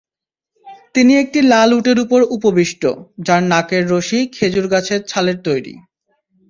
তিনি একটি লাল উটের উপর উপবিষ্ট—যার নাকের রশি খেজুর গাছের ছালের তৈরি।